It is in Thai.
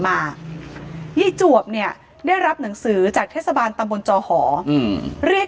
มายายจวบเนี่ยได้รับหนังสือจากเทศบาลตำบลจอหอเรียก